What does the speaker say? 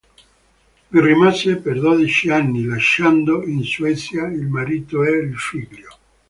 Vi rimase per dodici anni, lasciando in Svezia il marito e il figlio.